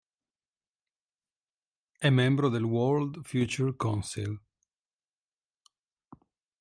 È membro del World Future Council.